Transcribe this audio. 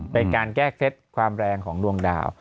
เป็นการแก้เคล็ดความแรงของดวงดาว